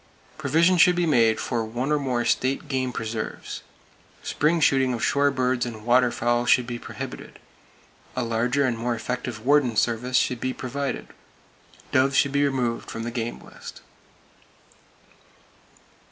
Provision should be made for one or more state game preserves. Spring shooting of shore birds and waterfowl should be prohibited. A larger and more effective warden service should be provided. Doves should be removed from the game list.